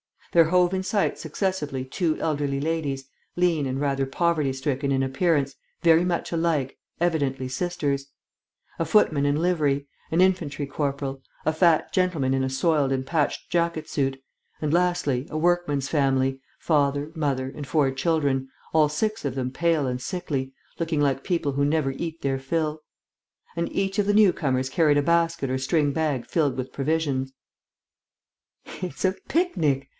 There hove in sight successively two elderly ladies, lean and rather poverty stricken in appearance, very much alike, evidently sisters; a footman in livery; an infantry corporal; a fat gentleman in a soiled and patched jacket suit; and, lastly, a workman's family, father, mother, and four children, all six of them pale and sickly, looking like people who never eat their fill. And each of the newcomers carried a basket or string bag filled with provisions. "It's a picnic!"